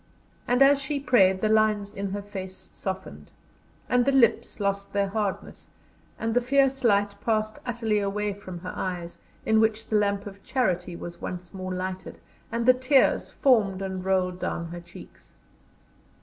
And as she prayed the lines in her face softened, and the lips lost their hardness, and the fierce light passed utterly away from her eyes, in which the lamp of Charity was once more lighted, and the tears formed and rolled down her cheeks.